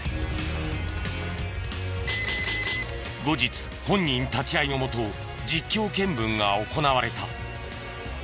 後日本人立ち会いのもと実況見分が行われた。